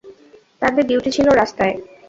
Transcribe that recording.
তাদের ডিউটি ছিল রাস্তায়।